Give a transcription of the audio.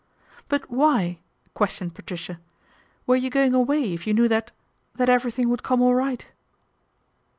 " But why," questioned Patricia, " were you going away if you knew that that everything would come all right